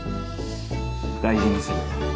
大事にする。